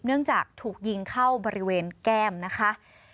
เนื่องจากถูกยิงเข้าบริเวณแก้มนะคะ